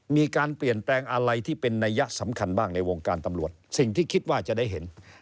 มีการเปลี่ยนแปลงอะไรที่เป็นนัยยะสำคัญบ้างในวงการตำรวจสิ่งที่คิดว่าจะได้เห็น